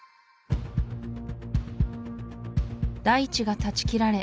大地が断ち切られ